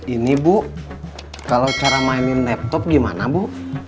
ini bu kalau cara mainin laptop gimana bu